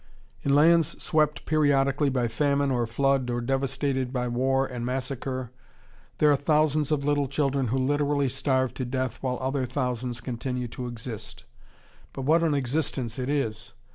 In lands swept periodically by famine or flood or devastated by war and massacre, there are thousands of little children who literally starve to death while other thousands continue to exist, but what an existence it is!